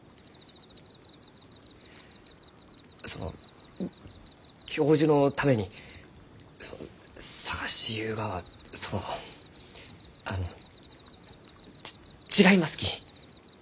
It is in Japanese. その教授のために探しゆうがはそのあの違いますき。